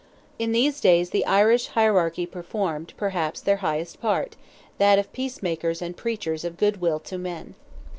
In these days the Irish hierarchy performed, perhaps, their highest part—that of peacemakers and preachers of good will to men.